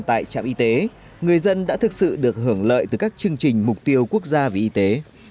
tại trạm y tế người dân đã thực sự được hưởng lợi từ các chương trình mục tiêu quốc gia về y tế